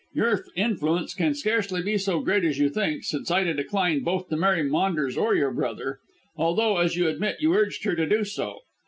Your influence can scarcely be so great as you think, since Ida declined both to marry Maunders or your brother, although as you admit you urged her to do so.